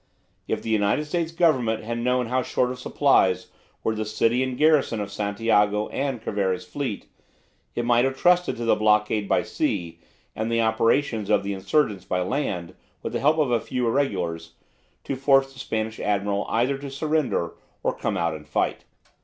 If the United States Government had known how short of supplies were the city and garrison of Santiago and Cervera's fleet, it might have trusted to the blockade by sea and the operations of the insurgents by land, with the help of a few regulars, to force the Spanish admiral either to surrender or come out and fight.